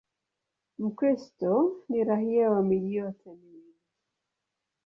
Mkristo ni raia wa miji yote miwili.